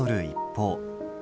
一方。